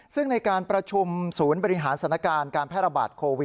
ซึ่งในการประชุมศูนย์บริหารสถานการณ์การแพร่ระบาดโควิด